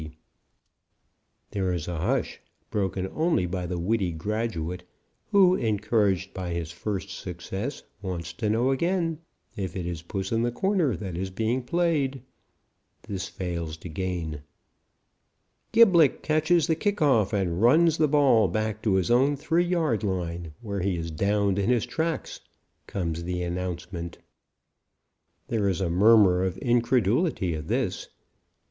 There is a hush, broken only by the witty graduate, who, encouraged by his first success, wants to know again if it is puss in the corner that is being played. This fails to gain. "Gilblick catches the kick off and runs the ball back to his own 3 yard line, where he is downed in his tracks," comes the announcement. There is a murmur of incredulity at this.